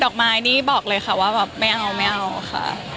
อกไม้นี่บอกเลยค่ะว่าแบบไม่เอาไม่เอาค่ะ